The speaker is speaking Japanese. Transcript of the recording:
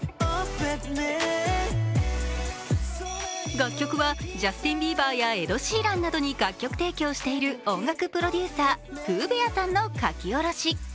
楽曲はジャスティン・ビーバーやエド・シーランなどに楽曲提供している音楽プロデューサー、ＰｏｏＢｅａｒさんの書き下ろし。